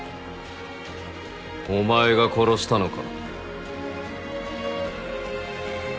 お前が殺したのか？